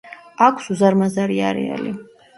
აქვს უზარმაზარი არეალი.